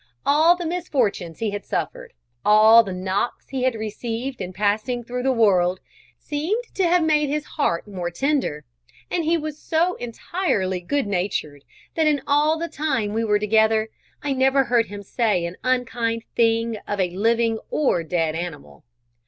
All the misfortunes he had suffered, all the knocks he had received in passing through the world, seemed to have made his heart more tender; and he was so entirely good natured, that in all the time we were together, I never heard him say an unkind thing of living or dead animal.